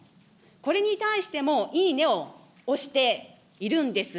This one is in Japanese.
これに対してもいいねを押しているんです。